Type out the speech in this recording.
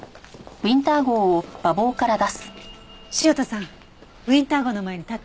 潮田さんウィンター号の前に立ってください。